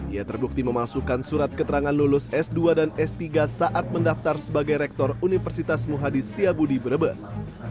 ia terbukti memasukkan surat keterangan lulus s dua dan s tiga saat mendaftar sebagai rektor universitas muhadi setiabudi brebes